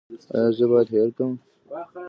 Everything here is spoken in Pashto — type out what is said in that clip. ایا زه باید هیر کړم؟